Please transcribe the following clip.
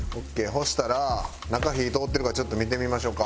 そしたら中火通ってるかちょっと見てみましょうか。